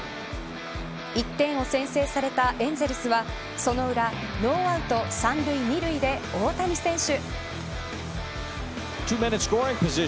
１点を先制されたエンゼルスはその裏ノーアウト３塁２塁で大谷選手。